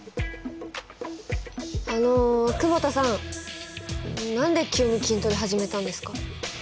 あの久保田さん何で急に筋トレ始めたんですか？